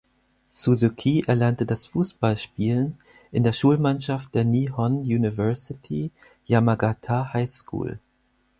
Suzuki erlernte das Fußballspielen in der Schulmannschaft der "Nihon University Yamagata High School".